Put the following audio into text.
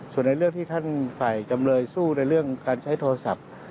ส่วนในเรื่องที่ท่านฝ่ายจำเลยสู้ในเรื่องการใช้โทรศัพท์